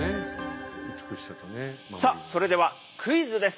さあそれではクイズです。